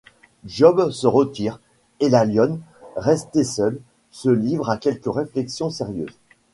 Job se retire, et la lionne, restée seule, se livre à quelques réflexions sérieuses.